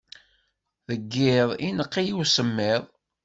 Deg yiḍ, ineqq-iyi usemmiḍ.